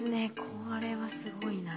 これはすごいな。